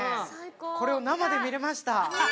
これを生で見られました。